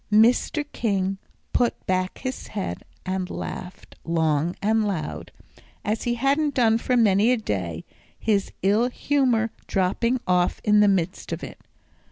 Mr. King put back his head and laughed long and loud, as he hadn't done for many a day, his ill humour dropping off in the midst of it.